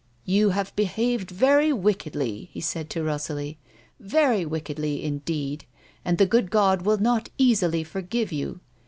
" You have behaved very wickedly," he said to Rosalie, " very wickedly indeed, and the good God will not easily forgive you.